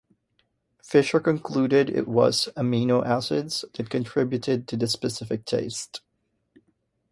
Fischer concluded it was amino acids that contributed to the specific taste.